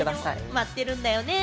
待ってるんだよね。